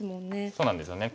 そうなんですよね。